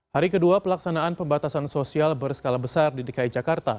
hari kedua pelaksanaan pembatasan sosial berskala besar di dki jakarta